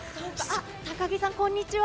高木さん、こんにちは。